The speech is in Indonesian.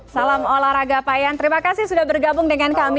salam olahraga payan terima kasih sudah bergabung dengan kami